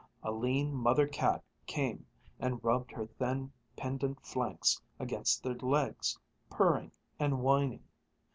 A lean mother cat came and rubbed her thin, pendent flanks against their legs, purring and whining.